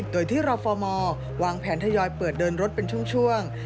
โดยที่รฟมวางแผนทยอยเปิดเดินรถเป็นช่วง